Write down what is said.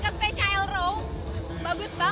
bagus banget dekorasi